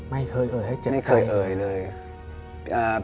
ไม่เคยเอ่ยให้เจ็บใจ